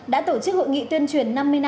đã tổ chức hội nghị tuyên truyền năm mươi năm